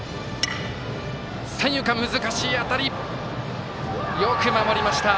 難しい当たりよく守りました。